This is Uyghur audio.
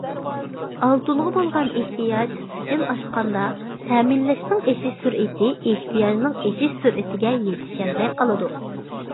ئالتۇنغا بولغان ئېھتىياج سىجىل ئاشقاندا، تەمىنلەشنىڭ ئېشىش سۈرئىتى ئېھتىياجنىڭ ئېشىش سۈرئىتىگە يېتىشەلمەي قالىدۇ.